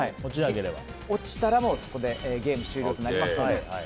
落ちたらそこでゲーム終了となります。